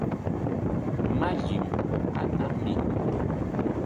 Mallim uqata mikun.